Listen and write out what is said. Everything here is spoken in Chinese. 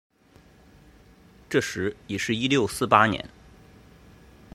这时已是一六四八年。